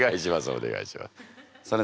お願いします。